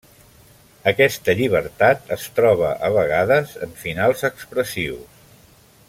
Aquesta llibertat es troba a vegades en finals expressius.